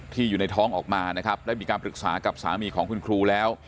อยู่ในท้องออกมานะครับได้มีการปรึกษากับสามีของคุณครูแล้ว